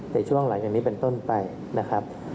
ในช่วงหลังจากนี้เป็นต้นไปนะครับ